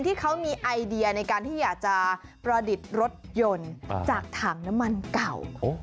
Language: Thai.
ที่เขามีไอเดียในการที่อยากจะประดิษฐ์รถยนต์จากถังน้ำมันเก่า